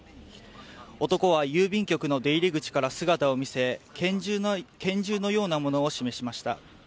男は郵便局の出入り口から姿を見せ拳銃のようなものを示しました。